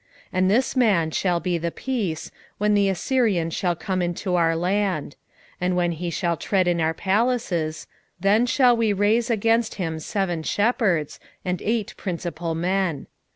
5:5 And this man shall be the peace, when the Assyrian shall come into our land: and when he shall tread in our palaces, then shall we raise against him seven shepherds, and eight principal men.